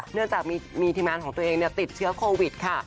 เนื่องจากมีทีมงานของตัวเองติดเชื้อโควิดค่ะ